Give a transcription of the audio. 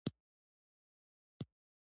ځنې امريکني فلمونه د فلمي تاريخ برخه ده